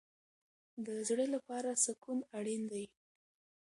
د زړه لپاره سکون اړین دی